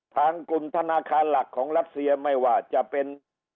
ทางกลุ่มธนาคารหลักของรัสเซียไม่ว่าจะเป็น